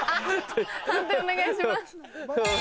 判定お願いします。